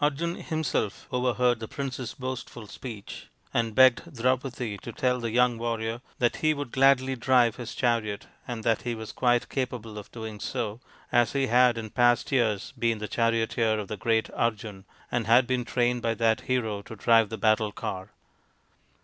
Arjun himself overheard the prince's boastful speech, and begged Draupadi to tell the young warrior that he would gladly drive his chariot, and that he was quite capable of doing so as he had in past years been the charioteer of the great Arjun, and had been trained by that hero to drive the battle car.